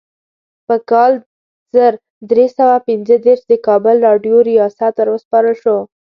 په کال زر درې سوه پنځه دیرش د کابل راډیو ریاست وروسپارل شو.